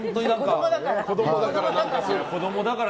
子供だから。